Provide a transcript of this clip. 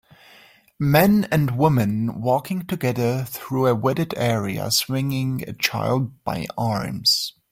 A man and woman walking together through a wooded area swinging a child by arms.